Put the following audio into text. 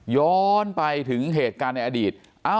ย้อนไปถึงเหตุการณ์ในอดีต